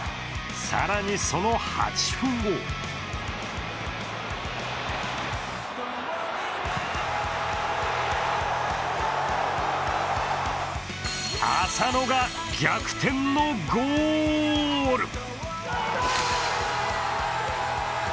更に、その８分後浅野が逆転のゴール！